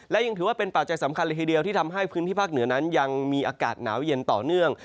และยังถือว่าเป็นปัจจัยสำคัญเลยทีเดียวที่ทำให้พื้นที่ภาคเหนือนั้นยังมีอากาศหนาวเย็นต่อเนื่อง